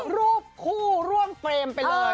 รูปคู่ร่วมเฟรมไปเลย